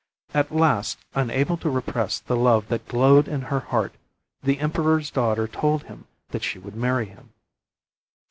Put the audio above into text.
At last, unable to repress the love that glowed in her heart, the emperor's daughter told him that she would marry him.